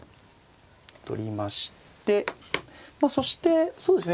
取りましてそしてそうですね